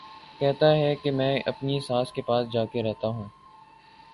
کہتا ہے کہ میں اپنی ساس کے پاس جا کے رہتا ہوں